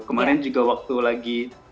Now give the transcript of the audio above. kemarin juga waktu lagi